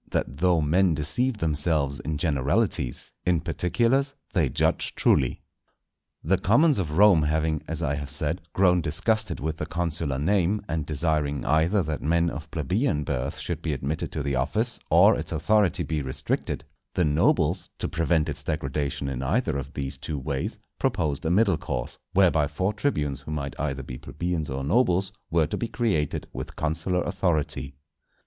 —That though Men deceive themselves in Generalities, in Particulars they judge truly. The commons of Rome having, as I have said, grown disgusted with the consular name, and desiring either that men of plebeian birth should be admitted to the office or its authority be restricted, the nobles, to prevent its degradation in either of these two ways, proposed a middle course, whereby four tribunes, who might either be plebeians or nobles, were to be created with consular authority.